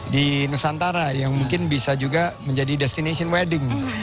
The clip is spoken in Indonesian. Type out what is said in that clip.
di nusantara yang mungkin bisa juga menjadi destination wedding